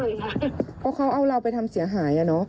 เพราะเขาเอาเราไปทำเสียหาย